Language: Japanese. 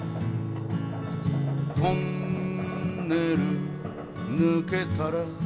「トンネル抜けたら」